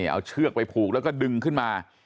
เอาเชือกไปผูกแล้วก็ดึงขึ้นมา